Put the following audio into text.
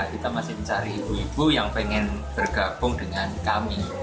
kita masih mencari ibu ibu yang pengen bergabung dengan kami